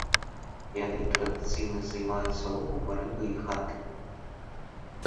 Яны традыцыйна займаюцца ловам рыбы і гандлем.